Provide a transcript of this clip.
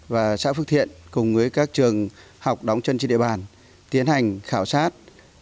và xã phước thiện cùng với các trường học đóng chân trên địa bàn tiến hành khảo sát